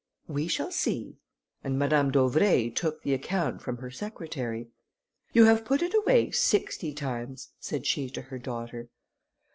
"We shall see;" and Madame d'Auvray took the account from her secretary. "You have put it away sixty times," said she to her daughter.